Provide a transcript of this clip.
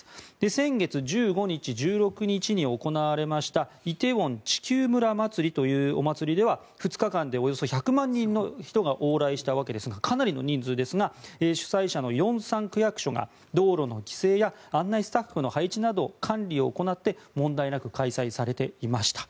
先月１５日、１６日に行われました梨泰院地球村祭りというお祭りでは２日間でおよそ１００万人の人が往来したわけですがかなりの人数ですが主催者の龍山区役所が道路の規制や案内スタッフの配置など管理を行って問題なく開催されていました。